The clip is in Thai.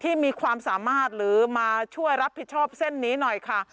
มีความสามารถหรือมาช่วยรับผิดชอบเส้นนี้หน่อยค่ะ